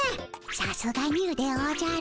さすがニュでおじゃる。